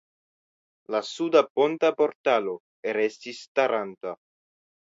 La suda ponta portalo restis staranta.